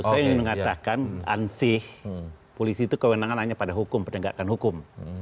saya ingin mengatakan ansih polisi itu kewenangan hanya pada hukum penegakan hukum